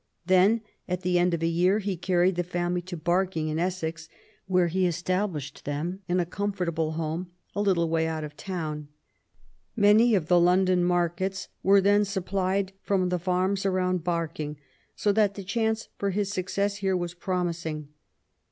Then^ at the end of a year, he carried his family to Barking in Essex^ where he established them in a comfortable home^ a little way out of the town. Many of the London markets were then supplied from the farms around Barking, so that the chance for his success here was promising.